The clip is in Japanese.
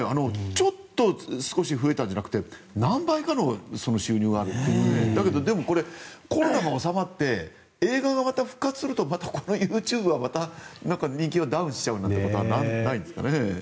ちょっと少し増えたんじゃなくて何倍かの収入があるということででも、コロナが収まって映画がまた復活するとまたこのＹｏｕＴｕｂｅは人気がダウンしちゃうってことはないんですかね？